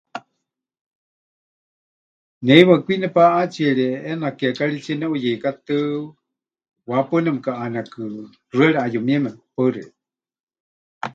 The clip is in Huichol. Ne heiwa kwi nepaʼatsierie ʼeena kiekaritsíe neʼuyeikátɨ wahepaɨ nemɨkaʼaanekɨ, xɨari ˀayumieme. Paɨ xeikɨ́a.